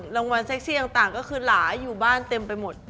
เซ็กซี่ต่างก็คือหลายอยู่บ้านเต็มไปหมด